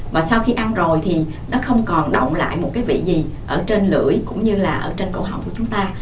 và sau khi ăn rồi thì nó không còn động lại một cái vị gì ở trên lưỡi cũng như là ở trên cổ học của chúng ta